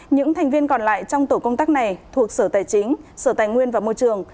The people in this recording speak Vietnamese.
những thành viên còn lại trong tổ công tác này thuộc sở tài chính sở tài nguyên và môi trường